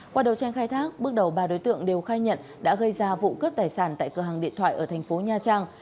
qua đầu tranh khai thác bước đầu ba đối tượng đều khai nhận đã gây ra vụ cướp tài sản tại cửa hàng điện thoại ở thành phố nha trang